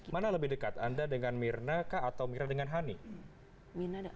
mana lebih dekat anda dengan mirna kah atau mirna dengan hani